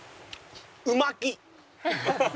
う巻き！